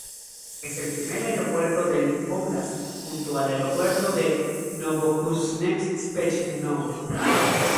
Es el primer aeropuerto del óblast, junto al Aeropuerto de Novokuznetsk-Spichenkovo.